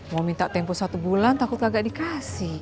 mau minta tempo satu bulan takut gak dikasih